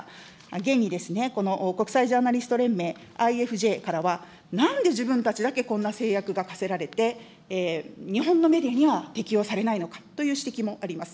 現にこの国際ジャーナリスト連盟・ＩＦＪからは、なんで自分たちだけこんな制約が課せられて、日本のメディアには適用されないのかという指摘もあります。